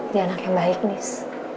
dia anak yang baik nis